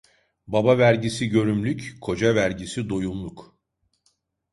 Baba vergisi görümlük, koca vergisi doyumluk.